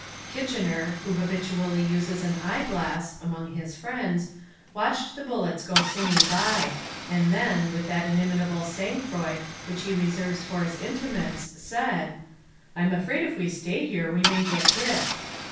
"Kitchener, who habitually uses an eye glass (among his friends), watched the bullets go singing by, and then, with that inimitable sangfroid which he reserves for his intimates, said, "'I'm afraid if we stay here we may get hit.'